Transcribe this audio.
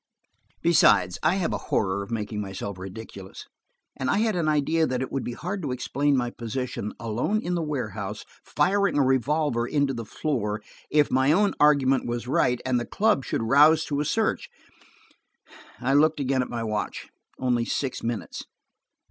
Besides, I have a horror of making myself ridiculous, and I had an idea that it would be hard to explain my position, alone in the warehouse, firing a revolver into the floor, if my own argument was right, and the club should rouse to a search. I looked again at my watch; only six minutes.